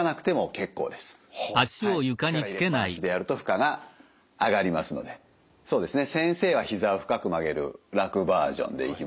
はい力入れっ放しでやると負荷が上がりますのでそうですね先生はひざを深く曲げる楽バージョンでいきましょうか。